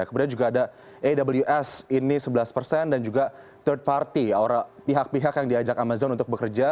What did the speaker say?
kemudian juga ada aws ini sebelas persen dan juga third party pihak pihak yang diajak amazon untuk bekerja